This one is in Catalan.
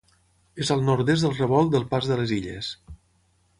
És al nord-est del Revolt del Pas de les Illes.